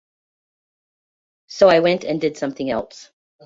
So I went and did something else.